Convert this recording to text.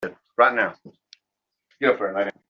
In the end it boils down to how much we want it to be solved.